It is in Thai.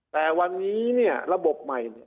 แต่วันนี้ระบบใหม่